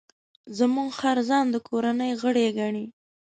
زموږ خر ځان د کورنۍ غړی ګڼي.